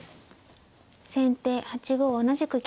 先手８五同じく金。